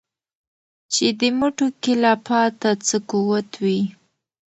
چي دي مټو كي لا پاته څه قوت وي